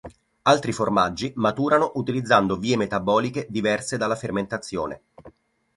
Altri formaggi maturano utilizzando vie metaboliche diverse dalla fermentazione.